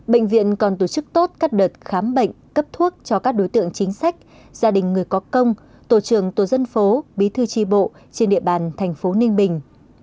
bệnh viện còn tổ chức tốt các đợt khám bệnh cấp thuốc cho các đối tượng chính sách gia đình người có công tổ trường tổ dân phố bí thư tri bộ trên địa bàn thành phố ninh bình